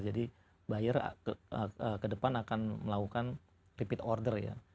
jadi buyer ke depan akan melakukan repeat order ya